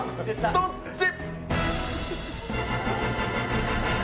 どっち！